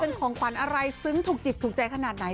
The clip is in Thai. อภัพดิ์อะไรซึ้งถูกจิตถูกใจขนาดไหน